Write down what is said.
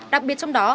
đặc biệt trong đó